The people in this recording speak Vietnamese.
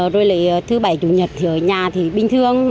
rồi lấy thứ bảy chủ nhật thì ở nhà thì bình thường